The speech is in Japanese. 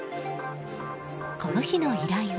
この日の依頼は。